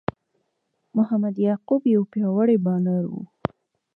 محمد یعقوب یو پياوړی بالر وو.